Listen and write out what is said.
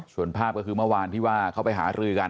ส่วนภาพก็คือเมื่อวานที่ว่าเขาไปหารือกัน